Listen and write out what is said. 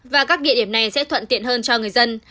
và các địa điểm này sẽ thuận tiện hơn cho người dân